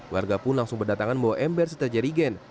warga pun langsung berdatangan membawa ember setelah jadikan